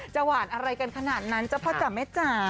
หวานอะไรกันขนาดนั้นเจ้าพ่อจ๋าแม่จ๋า